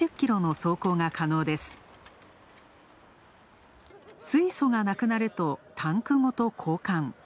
水素がなくなるとタンクごと交換。